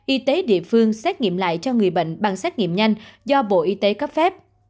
y tế địa phương xét nghiệm lại cho người bệnh bằng xét nghiệm nhanh do bộ y tế cấp phép